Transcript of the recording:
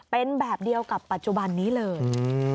เป็นแบบเดียวกับปัจจุบันนี้เลย